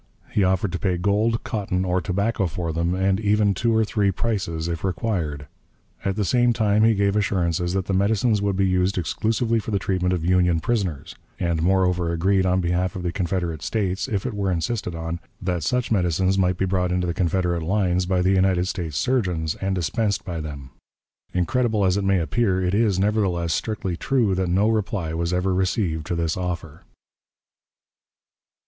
He offered to pay gold, cotton, or tobacco for them, and even two or three prices if required. At the same time he gave assurances that the medicines would be used exclusively for the treatment of Union prisoners; and moreover agreed, on behalf of the Confederate States, if it were insisted on, that such medicines might be brought into the Confederate lines by the United States surgeons, and dispensed by them. Incredible as it may appear, it is, nevertheless, strictly true that no reply was ever received to this offer.